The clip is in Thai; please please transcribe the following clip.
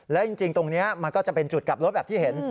และจริงตรงนี้มันก็จะเป็นจุดกลับรถแบบที่เห็น